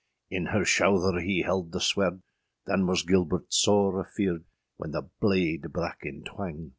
In her shouther hee held the swerde; Than was Gilbert sore afearde, When the blade brak in twang.